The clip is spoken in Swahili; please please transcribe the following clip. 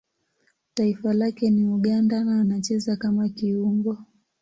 Taifa lake ni Uganda na anacheza kama kiungo.